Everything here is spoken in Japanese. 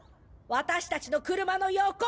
私たちの車の横！